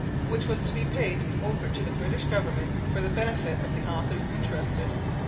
which was to be paid over to the British Government for the benefit of the authors interested.